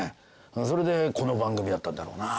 それでこの番組だったんだろうな。